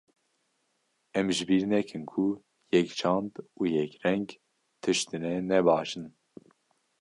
Em ji bîr nekin ku yekçand û yekreng tiştine ne baş in.